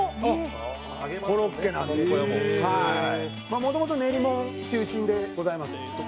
もともと練り物中心でございますはい。